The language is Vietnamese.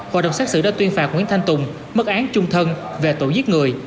hội đồng xét xử đã tuyên phạt nguyễn thanh tùng mức án trung thân về tội giết người